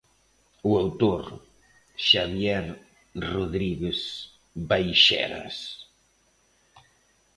O autor, Xavier Rodríguez Baixeras.